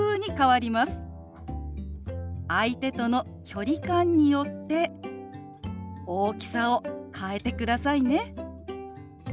相手との距離感によって大きさを変えてくださいね。